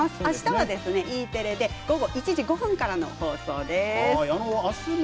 あしたはＥテレで午後１時５分から放送です。